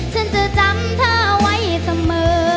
ฉันจะจำเธอไว้เสมอ